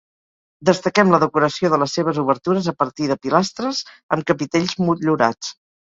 Destaquem la decoració de les seves obertures a partir de pilastres amb capitells motllurats.